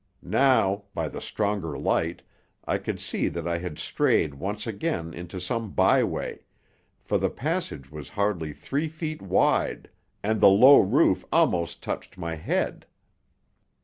Now, by the stronger light, I could see that I had strayed once again into some byway, for the passage was hardly three feet wide and the low roof almost touched my head.